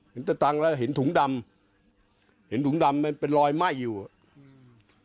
สตังค์แล้วเห็นถุงดำเห็นถุงดำมันเป็นรอยไหม้อยู่อ่ะอืม